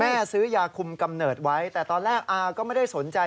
ซื้อยาคุมกำเนิดไว้แต่ตอนแรกอาก็ไม่ได้สนใจ